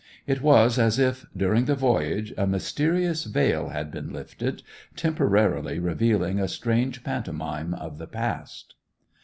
It was as if, during the voyage, a mysterious veil had been lifted, temporarily revealing a strange pantomime of the past.